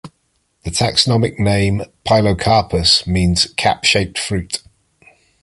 The taxonomic name "Pilocarpus" means cap-shaped fruit.